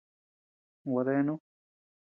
Gua deanu.